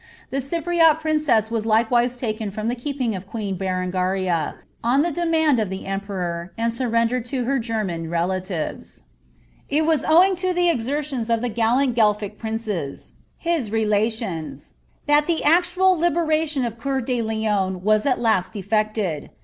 The Cypriot princess was likewise taken from the keeping of queen Berengaria, on the demand of the emperor, and surrendered to her German relatives.* It was owing to the exertions of the gallant Guelphic princes, his relations, that the actual liberation of Cceur de Lion was at last effected.